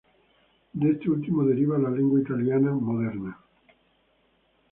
De este último deriva la lengua italiana moderna.